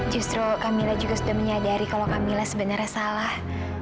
justru kamilah juga sudah menyadari kalau kamilah sebenarnya salah